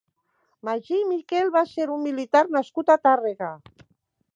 Magí Miquel va ser un militar nascut a Tàrrega.